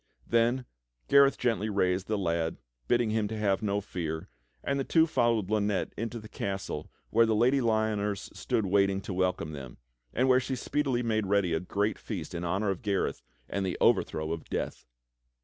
Then Gareth gently raised the lad, bidding him have no fear, and the two followed Lynette into the castle where the Lady Lyoners stood waiting to welcome them, and where she speedily made ready a great feast in honor of Gareth and the overthrow of Death.